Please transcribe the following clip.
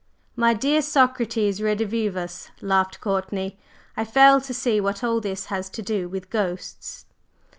"My dear Socrates redivivus," laughed Courtney, "I fail to see what all this has to do with ghosts."